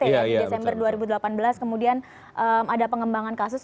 desember dua ribu delapan belas kemudian ada pengembangan kasus